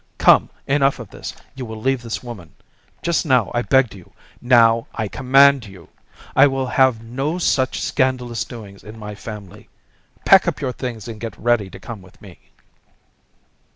Come, enough of this. You will leave this woman. Just now I begged you; now I command you. I will have no such scandalous doings in my family. Pack up your things and get ready to come with me."